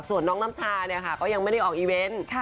ส่วนน้องน้ำชาเนี่ยค่ะก็ยังไม่ได้ออกอีเวนต์